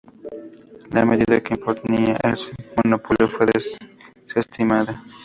La medida que imponía el monopolio fue desestimada.